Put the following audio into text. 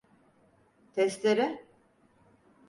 Testere?